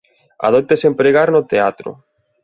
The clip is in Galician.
Adóitase empregar no teatro.